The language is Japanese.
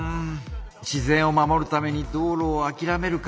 自然を守るために道路をあきらめるか？